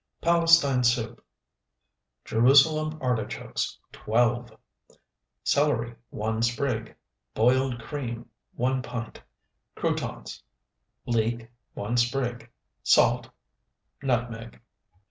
PALESTINE SOUP Jerusalem artichokes, 12. Celery, 1 sprig. Boiled cream, 1 pint. Croutons. Leek, 1 sprig. Salt. Nutmeg.